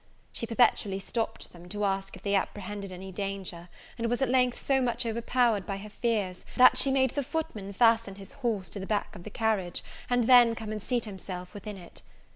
She perpetually stopped them, to ask if they apprehended any danger; and was at length so much overpowered by her fears, that she made the footman fasten his horse to the back of the carriage, and then come and seat himself within it.